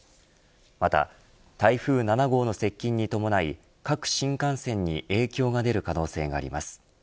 また、台風７号の接近に伴い各新幹線に影響が出る可能性があります。